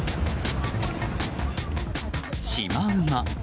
シマウマ。